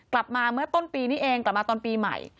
กลับมาเมื่อต้นปีนี้เองกลับมาตอนปีใหม่